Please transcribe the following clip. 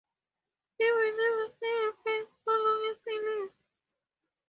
He may never see her face so long as he lives.